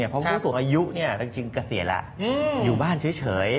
เพราะผู้สูงอายุจริงกระเสียลอยู่บ้านเฉย